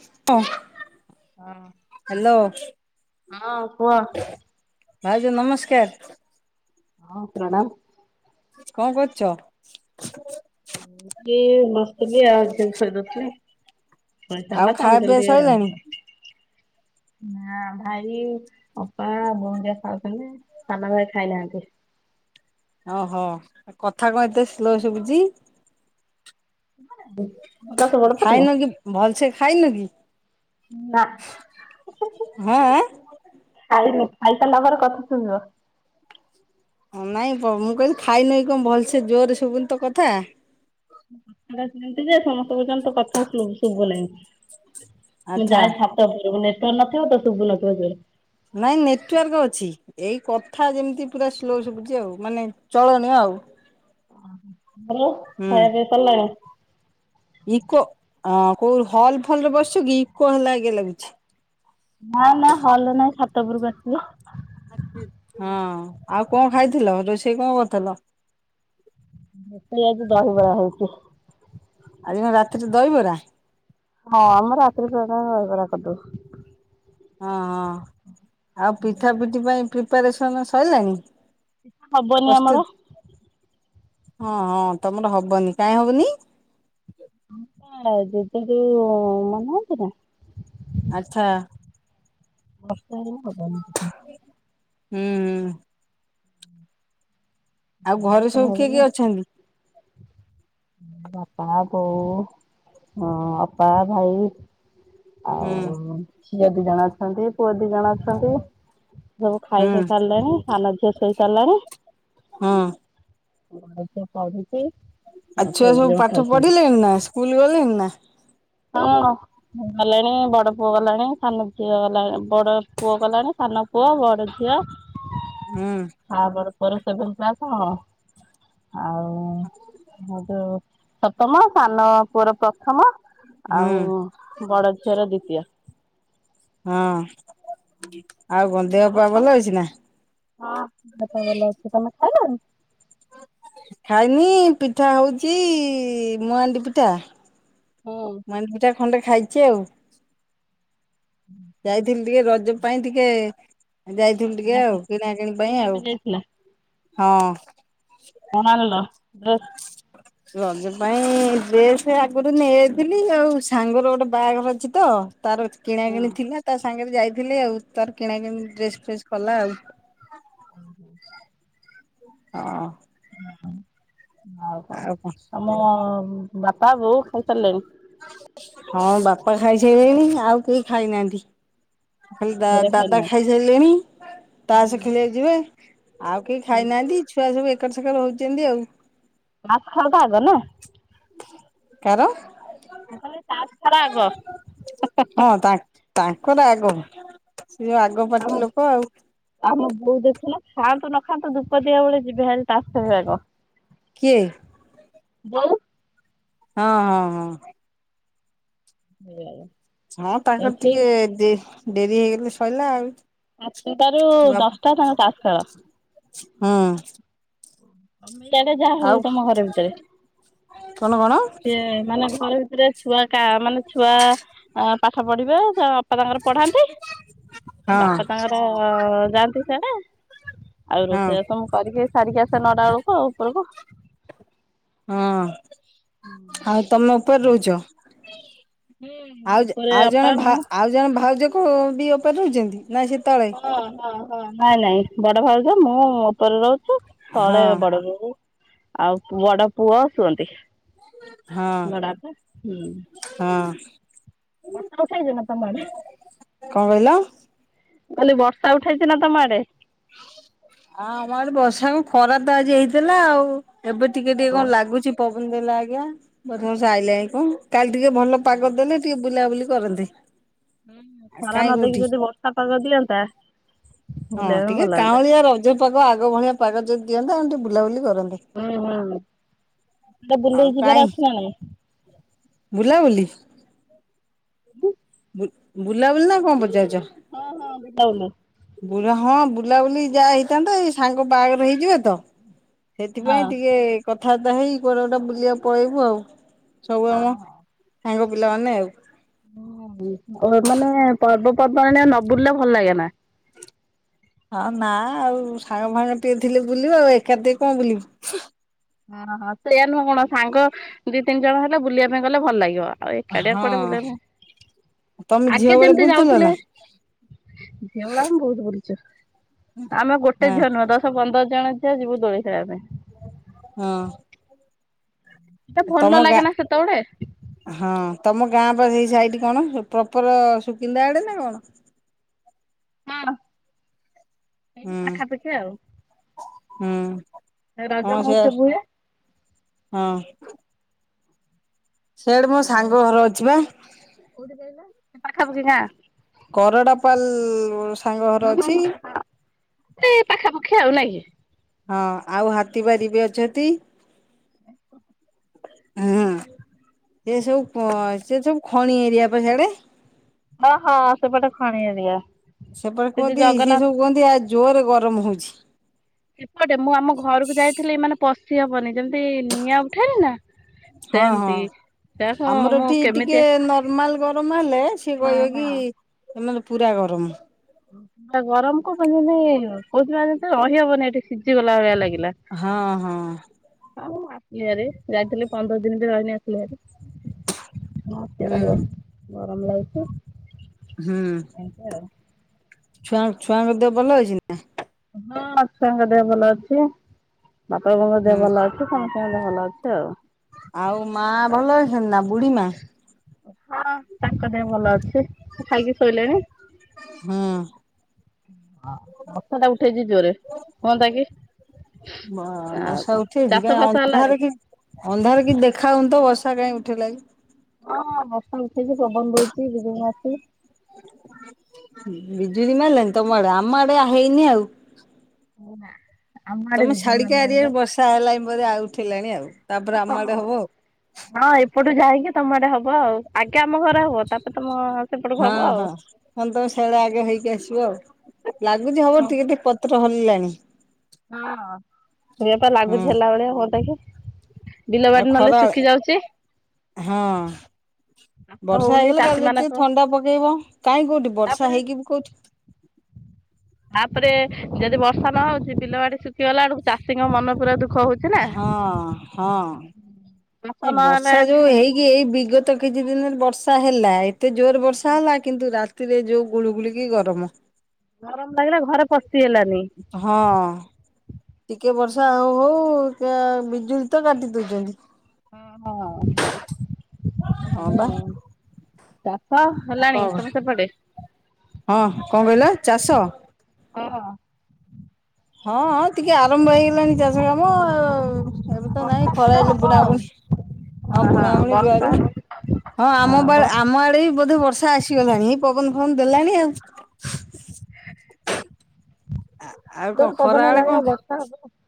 [inaudible] ହଁ ହ୍ୟାଲୋ ହଁ କୁହ ଭାଉଜ ନମସ୍କାର ହଁ ପ୍ରଣାମ କଣ କରୁଛ? [unintelligible] ନା ଭାଇ ଆଉ ଖାଇବା ପିଇବା ଅପା ସଇଲାଣି? ବୋଉ ହେରିକା ଖାଉଥିଲେ। ସାନ ଭାଇ ଖାଇନାହାନ୍ତି। ଓହୋ କଥା କଣ ଏତେ ସ୍ଲୋ ଶୁଭୁଛି। [inaudible] ସେ ବଡ ପାଟିରେ? ଖାଇନ କି ଭଲସେ ଖାଇନ କି। ନା ହଁ। ଖାଇନି ଖାଇସାରିଲା ପରେ କଥା ଶୁଭିବ। ହଁ ନାଇଁ ମୁଁ କହିଲି ଖାଇନ କଣ ଭଲସେ ଜୋରରେ ଶୁଭୁନି ତ କଥା ମୋ କଥାଟା ସେମତି ଯେ ସମସ୍ତେ କହୁଛନ୍ତି ତୋ କଥା ଶୁଭୁ ନାହିଁ। ମୁଁ ଆଚ୍ଛା। ଯାଏ ଛା ତର ନେଟୱାର୍କ ନଥିବ ତ ଶୁବୁ ନଥିବ ଜୋରରେ ନାଇଁ ନେଟୱାର୍କ ଅଛି। ଏଇ କଥା ଯେମିତି ପୁରା ସ୍ଲୋ ଶୁଭୁଛି ଆଉ ମାନେ ଚଳଣିୟ ଆଉ। ହେଲୋ ହୁଁ ଖାଇବା ପିଇବା ସରିଲାଣି ଇକୋ କୋଉ ହଲ ଫଲରେ ବସିଛୁ କି ଇକୋ ହେଲା ବଗିଆ ଲାଗୁଛି। ନା ନା ହଲରେ ନାହିଁ ଛାତ ଉପରକୁ ଆସିଛି ବା। ହଁ ଆଉ କଣ ଖାଇଥିଲ ରୋଷେଇ କଣ କରିଥିଲ? ଏଠି ଆଜି ଦହିବରା ହଉଛି। ଆଜି କଣ ରାତିରେ ଦହିବରା। ହଁ ଆମର ରାତିରେ ପ୍ରାୟତଃ ଦହିବରା କରିଦେଉ। ହଁ ଆଉ ପିଠା ପିଠି ପାଇଁ ପ୍ରିପାରେସନ୍ ସରିଲାଣି। ହବନି ଆମର ପ୍ରସ୍ତୁତି? ହଁ ତମର ହବନି କାଇଁ ହବନି [unintelligible] ଆଚ୍ଛା ବର୍ଷେ ହେଲେ ହବନି ପିଠା ହୁଁ ଆଉ ସେଥିପାଇଁ ଘରେ ସବୁ କିଏ କରାହବନି କିଏ ଆଉ ଅଛନ୍ତି? ବାପା, ବୋଉ ହଁ ଅପା, ଭାଇ। ହୁଁ। ଆଉ ଝିଅ ଦି ଜଣ ଅଛନ୍ତି ପୁଅ ଦି ଜଣ ଅଛନ୍ତି। ସବୁ ଖାଇ ପିଇ ହୁଁ ସାରିଲେଣି ସାନଝିଅ ଶୋଇ ସାରିଲାଣି। ହଁ। ବଡ ଝିଅ ପଢୁଛି। ଆଉ ପୁଅ ଛୁଆ ଦି ସବୁ ଜଣ ପାଠ ଖାଉଛନ୍ତି। ପଢିଲେଣିି ନା ସ୍କୁଲ ଗଲେଣି ନା? ହଁ। ଗଲାଣି ବଡ ପୁଅ ଗଲାଣି ସାନ ଝିଅ ଗଲା ବଡ ପୁଅ ଗଲାଣି ସାନ ପୁଅ ବଡ ଝିଅ। ହୁଁ। ଆଉ ବଡ଼ ପୁଅର ସେଭେନ୍ଥ କ୍ଲାସ ହଁ ଆଉ। [inaudible] ହଁ ଯୋ ସପ୍ତମ ସାନ ପୁଅର ପ୍ରଥମ। ହୁଁ ଆଉ ବଡ ଝିଅର ଦ୍ଵିତୀୟ। ହଁ ଆଉ କଣ ତମେ ଦେହପା ଖାଇ ଭଲ ଅଛି ନା? ହଁ ଦେହ ପା ଭଲ ଅଛି ତମେ ଖାଇଲଣି? ଖାଇନି ପିଠା ହଉଚି ମୁଆ ଆଣ୍ଡି ପିଠା। ହୁଁ ମଣ୍ଡ ପିଠା ଖଣ୍ଡେ ଖାଇଛି ଆଉ। ହୁଁ ଯାଇଥିଲି ଟିକେ ରଜ ପାଇଁ ଟିକେ ଯାଇ ଟିକେ ଆଉ କିଣା କିିଣି ପାଇଁ କିଣିବା ଆଉ ଯାଇଥିଲା ହଁ। କଣ ଆଣିଲ? ଡ୍ରେସ୍? ରଜ ପାଇଁ ଡ୍ରେସ୍ ଆଗରୁ ନେଇଯାଇଥିଲି ଆଉ ସାଙ୍ଗର ଗୋଟେ ବାହାଘର ଅଛି ତ ତାର କିଣା ହଁ କିିଣି ଥିଲା ତା ସାଙ୍ଗରେ ଯାଇଥିଲେ ଆଉ ତାର କିଣା କିିଣି ଡ୍ରେସ୍ ଫ୍ରେସ୍ କଲା ଆଉ। ହ ହ ହଁ। ହଁ ଆଉ। ଆଉ କଣ? ମ ବାପା ବୋଉ ଖାଇସାରିଲେଣି? ହଁ ବାପା ଖାଇସାରିଲେଣି ଆଉ କେହି ଖାଇନାହାନ୍ତି। ଖାଲି ଘରେ ଦାଦା ଖାଇନାହାନ୍ତି? ଖାଇସାରିଲେଣି। ତାସ ଖେଳିବାକୁ ଯିବେ ଆଉ କେହି ହୁଁ। ଖାଇନାହାନ୍ତି ଛୁଆ ସବୁ ଏକର ସେକର ହଉଛନ୍ତି ଆଉ। ମାଛ ଖାଉଦ ଆଗ ନା। କାର? ମୁଁ କହିଲି ତାସ ଖେଳ ଆଗ। ତାଙ୍କ ତାଙ୍କର ଆଗ ସେ ଯଉ ଆଗ ଆମ ପାଟି ଲୋକ ଆଉ। ଆମ ବୋଉ ଦେଖୁ ନା ଖାଆନ୍ତୁ ନ ଖାଆନ୍ତୁ ଧୁପ ଦିଆ ବେଳେ ଯିବେ ହାରି। ତାସ ଖେଳ ଆଗ। କିଏ ହଁ ହଁ ହଁ। ଆ ହଁ ତାଙ୍କର ଟିକେ ଡେ ଡେରି ହେଇଗଲେ ଶଇଲା ଆଉ। ସାତଟାରୁ ଦଶଟା ତାଙ୍କ ତାସ୍ ଖେଳ। ହଁ। ମିଡେ ଯାହା ହଉ ତମ ଘର ଭିତରେ। କଣ କଣ ସିଏ ମାନେ ଘର ଭିତରେ, ଛୁଆ କା ମାନେ ଛୁଆ ପାଠ ପଢିବେ, ବାପା ତାଙ୍କର ପଢାନ୍ତି। ହଁ ବାପା ତାଙ୍କର ଯାଆନ୍ତି ସେଆଡେ, ଆଉ ହଁ ରୋଷେଇ ସବୁ କରିକି ସାରିକି ଆସେ ନଡା ବେଳକୁ ଉପରକୁ। ହଁ ଆଉ ତମ ଉପରେ ରହୁଛ। ଆଉ ଉପରେ ଆଉ ଅପା ଜଣେ ଭ ମୁଁ ଆଉ। ଜଣେ ଭାଉଜ କୁ ବି ଉପରେ ରହୁଛନ୍ତି ନାଁ ସେ ତଳେ। ହଁ ହଁ ହଁ ନାଇଁ ନାଇଁ ବଡ ଭାଉଛ ମୁଁ ଉପରେ ରହୁଛୁ ହଁ ତଳେ ବଡ [unintelligible] ଆଉ ବଡ ପୁଅ ଶୁଅନ୍ତି। ହଁ ବଡାପା ହୁଁ ହଁ ବର୍ଷା ହଉଚିନା ତମ ଆଡ। କଣ କହିଲ? କାଲି ବର୍ଷା ଉଠାଇଛି ନା ତମ ଆଡେ? ଆ ଆମ ଆଡେ ବର୍ଷା ଖରା ତ ଆଜି ହେଇଥିଲା। ଆଉ ଏବେ, ଟିକେ ଟିକେ କଣ ଲାଗୁଛି ପଵନ ଦେଲା ଆଜ୍ଞା, ବରଷା ଆଇିଲା କି କଣ କାଲି ଟିକେ ଭଲ ପାଗ ଦେଲେ, ଟିକେ ବୁଲାବୁଲି କରନ୍ତେ। ହୁଁ ଆଉ ଖରା କାହିଁ ନଦକି କୋଉଠି ଯଦି ବର୍ଷା ପାଗ ଦିଅନ୍ତା ଭୁଲିବା ଭଲ ହେନ୍ତା। ସେଆ ରଜ ପର୍ବ ଆଗ ଭଳିଆ ପାଗ ଯଦି ଦିଅନ୍ତା ଆଉଟିକେ ବୁଲାବୁଲି କରନ୍ତେ। ହୁଁ ହୁଁ ହୁଁ ତ ଆଉ ବୁଲେଇି ଯିବାର କାଇଁ ଅଛି ନା ନାଇ? ବୁଲାବୁଲି, ହୁଁ, ବୁଲାବୁଲି ନା କଣ ପଚାରିଛ, ହଁ ହଁ ବୁଲଉଲେ, ବୁଲା ହଁ ବୁଲାବୁଲି ଯାହା ହେଇଥାନ୍ତା, ଏଇ ସାଙ୍ଗ ବାହାଘର ହେଇଯିବେ ତ। ସେଥିପାଇଁ ଟିକେ କଥାବାର୍ତ୍ତା ହେଇ କୁଆଡେ ଗୋଟେ ବୁଲିବା ପଳେଇବୁ। ଆଉ ସବୁ ଆମ, ସାଙ୍ଗ ପିଲାମାନେ ଆଉ, ଓ ଏମାନେ ପର୍ବପର୍ବାଣି ରେ ନ ବୁଲିଲେ ଭଲ ଲାଗେ ନା। ହଁ ନା ଆଉ ସାଙ୍ଗ ଭାଙ୍ଗ ଟିକେ ଥିଲେ ବୁଲିବ, ଆଉ ଏକା ଟି କଣ ବୁଲିବ। ଓ ହୋ ସେଇୟା ନୁହଁ କଣ? ସାଙ୍ଗ ଦି ତିନି ଜଣ ହେଲେ ବୁଲିବା ପାଇଁ ଗଲେ ଭଲ ଲାଗିବ ଆଉ ଏକାଡିଆ ହଁ କୁଆଡେ ବୁଲି ଆକୁ, ତମେ ଝିଅ ଆଗେ ବେଳେ ଯେମିତି ବୁଲୁଥିଲ ଯାଉଥିଲେ। ନା ଝିଅ ଭଳିଆ ଆମ ବହୁତ ବୁଲିଛୁ। ଆମେ ଗୋଟେ ହଁ ଝିଅ ନୁହ ଦଶ, ଆ ପନ୍ଦର ଜଣ ଝିଅ ଯିବୁ ଦୋଳିଖେଳିବା ପାଇଁ। ହଁ ତେ ତମ ଭଲ ଗା ଲାଗେ ନା ସେତେବେଳେ, ହଁ ତମ ଗାଁ ବା ସେଇ ସାଇଡ କଣ ପ୍ରପର ସୁକିନ୍ଦା ଆଡେ ନା କଣ? ହଁ ଏଇଠି ହୁଁ ପାଖାପାଖି ଆଉ, ହୁଁ ରଜ ହଁ ସେୟା, ମହୋତ୍ସବ ହୁଏ ହଁ ସେଆଡେ ମୋ ସାଙ୍ଗ ଘର ଅଛି ବା। କୋଉଠି କହିଲ ପାଖାପାଖି କରଡ଼ା ପାାଲ୍ ମ ସାଙ୍ଗ ଘର ଅଛି। ଗାଁ। ଏଇ ପାଖାପାଖି ଆଉ ନାଇଁ। ହଁ ଆଉ ହାତୀ ବା [unintelligible] ଅଛନ୍ତି। ହୁଁ ସେ ସବୁ ସେ ସବୁ ଖଣି ଏରିଆ ପଛଆଡେ। ହ ହଁ ସେ ପାଟେ ଖାଣି ଏରିଆ। ସେପଟେ ସେ ଯୋଉ କୁହନ୍ତି, ସେ ଜଗନ୍ନାଥ ସବୁ କୁହନ୍ତି ଆ ଜୋରରେ ଗରମ ହଉଛି। ସେପଟେ ମୁଁ ଆମ ଘରକୁ ଯାଇଥିଲି, ଏ ମାନେ ପଶି ହବନି ଯେମିତି ନିଆଁ ଉଠାଏ ନା ହଁ ସେମିତି, ହଁ। ତାକୁ ଆମର ମୁଁ ଏଠି ଟିକେ କେମିତି ନର୍ମାଲ ଗରମ ହେଲେ ସିଏ ହଁ କହିବ କି। ହଁ। ଏ ମାନେ ପୁରା ଗରମ। ଆଉ ଗରମ କୁ ତୁ ମାନେ କହୁଚି ବା ଏଠି ରହିହବନି ଏଠି ସିଝିଗଲା ଭଳିଆ ଲାଗିଲା। ହଁ ହଁ। ହଁ ମୁଁ ଆସିଲି ଭାରି ଯାଇଥିଲି ପନ୍ଦର ଦିନି ବି ରହନି ଆସିଲି ଭାରି। ହୁଁ [inaudible] ଗରମ ଲାଗୁଛି। ହୁଁ ଏମିତି ଆଉ। ଛୁଆ ଛୁଆଙ୍କ ଦେହ ଭଲ ଅଇଛି ନା। ହଁ ମାଛଆ ଙ୍କ ଦେହେ ଭଲ ଅଛି ବାପା ବୋଉ ଙ୍କ ଦେହେ ହୁଁ। ଭଲ ଅଛି। ତ ସମସ୍ତଙ୍କ ଦେହ ଭଲ ଅଛି ଆଉ। ଆଉ ମା ଭଲ ଅଇଛନ୍ତି ନା ବୁଢୀ ମା। ହଁ ତାଙ୍କ ଦେହ ଭଲ ଅଛି ସେ ଖାଇକି ଶୋଇଲେଣି। ହୁଁ। ବର୍ଷା ଟା ଉଠେଇଛି ଜୋର ରେ ହୁଅନ୍ତା କି। ଆଉ କଁ ଚାଷ ଫାସ ହେଲାଣି। ଅନ୍ଧାରେ କି ଛି ଦେଖା ଯାଉନି ତ ବର୍ଷା କାଇଁ ଉଠେଇଲାଇ। ହଁ ବର୍ଷା ଉଠେଇଛି ପବନ ଦଉଛି ବିଜୁଳି ମାରୁଛି। ବିଜୁଳି ମାରିଲାଣି ତମ ଆଡେ ଆମ ଆଡେ ଆ ହେଇନି ଆଉ। ମୁଁ ନା ଆମ ବିଜୁଳି ସାରିଲାଣି ବା। ଷା ହେଲାଇଁ ବୋଧୋ ଆଉ ଉଠେଇଲାଣି ଆଉ। ତାପରେ ଆମ ହଁ ଆଡେ ହବ ହଁ। ଆଉ। ହଁ ଏପଟୁ ଯାଇକି ତମ ଆଡେ ହବ ଆଉ ଆଗେ ଆମ ଘର ହବ ତାପରେ ତମ। ସେପଟକୁ ହଁ ହବ ଆଉ। ହଁ ନହେଲେ ତମ ସିଆଡୁ ଆଗେ ହେଇକି ଆସିବ ଆଉ ଲାଗୁଛି ହବ ହଁ ଟିକେ ଟିକେ ପ ପତ୍ର ହଲାଲାଣି। ହଁ ଇଏ ପା ହୁଁ ଲାଗୁଛି ହେଲା ଭଳିଆ ପଦାକୁ। ବିଲ ଆଉ ବାଡ଼ି ନହେଲେ ଖରା ଶୁଖି ଯାଉଛି। ହଁ। ଚାଷ ବର୍ଷା ହଉନି ହେଇଗଲେ ଚାଷୀ କାଲି ଯଦି ଟିକେ ମାନଙ୍କ ଥଣ୍ଡା ପକେଇବ କାହିଁ କୋଉଠି ବର୍ଷା ତାପରେ ହେଇକି ବି କୋଉଠି। [inaudible] ଆ ପରେ ଯଦି ବର୍ଷା ନ ହଉଛି ବିଲ ବାଡି ଶୁଖିଗଲା ବେଳକୁ ଚାଷୀଙ୍କ ମନ ପୁରା ଦୁଃଖ ହଉଛି ନା। ହଁ ହଁ ଚାଷ ନାଇଁ ନହେଲେ ବର୍ଷା ଯୋଉ ହେଇକି ଏଇ ବିଗତ ତ କିଛି ଦିନରେ ବର୍ଷା ହେଲା ଏତେ ଜୋର ବର୍ଷା ହେଲା କିନ୍ତୁ ରାତିରେ ଯୋଉ ଗୁଳୁଗୁଳିକି ଗରମ। ଗରମ ଲାଗିଲା ଘରେ ପଶି ହେଲାନି। ହଁ। ଟିକେ ବର୍ଷା ହଉ ହଉ କା ବିଜୁଳି ତ କାଟି ଦଉଛନ୍ତି। ହୁଁ ହଁ ହଁ। ବା। [inaudible] ଚାଷ ଆଉ ହେଲାଣି କଣ ତମେ ସେପଟେ। ହଁ କଁ କହିଲ ଚାଷ। ହଁ। ହଁ ହଁ ଟିକେ ଆରମ୍ଭ ହେଇଗଲାଣି। ଚାଷ କାମ ଏବେ ତ ବର୍ଷା ନାଇଁ ଖରା ହେଲେ ହବ ଆଉ। ବୁଣାବୁଣି। ହଁ ବୁଣାବୁଣି ରୁଆ ରୁଇ ହଁ ଆମ ଆମ ଆଡେ ବି ବୋଧେ ବର୍ଷା ଆସିଗଲାଣି ହେଇ ପବନ ଫବନ ଦେଲାଣି ଆଉ। [inaudible] ଆ ଆଉ କଁ ଜୋର ପବନ ଖରା ବଳେ କଁ। [inaudible]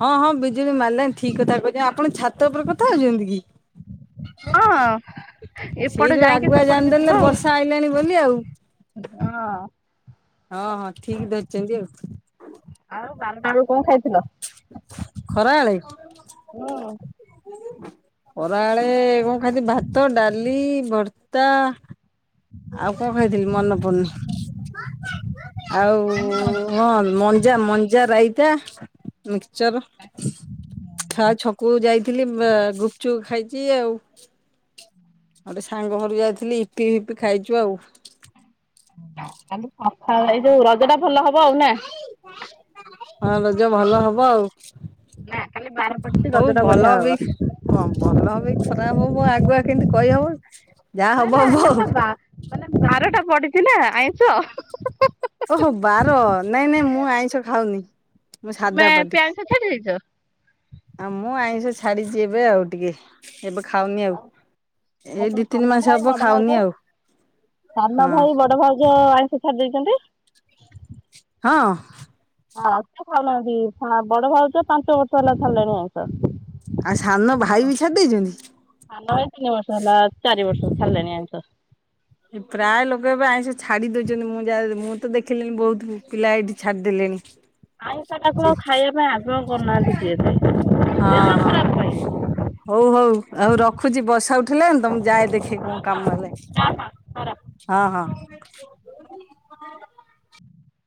ହଁ ହଁ ବିଜୁଳି ମାଲାନୀ ଠିକ କଥା କହୁଛନ୍ତି। ଆପଣ ଛାତ ଉପରେ କଥା ହଉଛନ୍ତି କି? ହଁ ଏପଟେ ସେଇ ଯୋଉ ଯାଇକି ଆଗୁଆ ସେପଟକୁ ଯିବ ଜାଣିଦେଲେ ଆଉ। ବର୍ଷା ଆଇଲାଣି ବୋଲି ଆଉ। ହଁ। ହଁ ହଁ ଠିକ ଧରିଛନ୍ତି ଆଉ। ଆଉ ବାରଟା ବେଳକୁ କଣ ଖାଇଥିଲ? ଖରା ଆଳେ? ହଁ। ଖରାବେଳେ କଣ ଖାଇନ୍ତି ଭାତ, ଡାଲି, ଭର୍ତ୍ତା ଆଉ କଣ ଖାଇଥିଲି ମନେ ପଡୁନି। ଆଉ କାଲି ର ହଁ ମଞ୍ଜା ମଞ୍ଜା ରାଇତା, ମିକ୍ଚର ଛକକୁ ଯାଇଥିଲି ବା ଗୁପଚୁପ ଖାଇଛି ଆଉ। ଆଉ ଗୋଟେ ସାଙ୍ଗ ଘରୁ ଯାଇଥିଲି ଇପି ଫିପି ଖାଇଛୁ ଆଉ। ଏଇ ଯୋଉ ରଜ ଟା ଭଲ ହବ ଆଉ ନା? ହଁ ରଜ ଭଲ ହବ ଆଉ। ନା କାଲି ବାର ପଡିଛିି ହଉ ରଜ ଟା ଭଲ ବଢିଆ ବି ହବ। ହଁ ଭଲ ହବ ଖରାପ ହବ ଆଗୁଆ କେମତି କହିହବ? ଯାହା ନା ହବ ନା ହବ କାଲି ଆଉ। ବା ମାନେ ବାରଟା ପଡିଛି ନା ଆଇଁଷ। ଓହୋ ବାର ନାଇଁ ନାଇଁ ମୁଁ ଆଇଁଷ ଖାଉନି। ମୁଁ ତମେ ସାଧାପାଟି। ଏବେ ଆଇଁଷ ଛାଡି ଦେଇଛ? ଆଉ ମୁଁ ଆଇଁଷ ଛାଡିଛି ଏବେ ଆଉ ଟିକେ। ଏବେ ଖାଉନି ଆଉ। ଆଉ ଏଇ ତୋ ଦିଇ ତିନି ସାନ ମାସ ଭାଇ ହବ ବଡ଼ ଭାଉଜ ଖାଉନି ଆଉ। ସାନ ହଁ ଭାଇ ବଡ ଭାଇଜ ଆଇଁଷ ଛାଡି ଦେଇଛନ୍ତି। ହଁ। ହଁ ଖାଉନାହାନ୍ତି। ବଡ ଭାଉଜ ପାଞ୍ଚ ବର୍ଷ ହେଲା ଛାଡ଼ିଲେଣି ଆଇଁସ। ଆଉ ସାନ ଭାଇ ବି ଛାଡ଼ି ଦେଇଛନ୍ତି? ହଁ ତିନି ବର୍ଷ ହେଲା ଚାରି ବର୍ଷ ଛାଡ଼ିଲେଣି ଆଇଁସ। ପ୍ରାୟ ଲୋକ ଏବେ ଆଇଁସ ଛାଡି ଦଉଛନ୍ତି। ମୁଁ ଯାହା ମୁଁ ତ ଦେଖିଲିଣିି ବହୁତ ପିଲା ଏଇଠି ଛାଡିଦେଲେଣି। [unintelligible] ଆଇଁସଟାକୁ ଆଉ ଖାଇବା ପାଇଁ ଆଗ୍ରହ କରୁନାହାନ୍ତି କିଏ ହଁ ବି। ଦେହ ହଁ ଖରାପ ପାଇଁ ହଉ ହଉ ଆଉ ରଖୁଛି ବସା ଉଠିଲାଣି ତ ମୁଁ ଯାଏ ଦେଖେ କଣ କାମ ହେଲାନି। ଖରାପ ହଁ ହଁ।